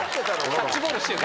キャッチボールしてよ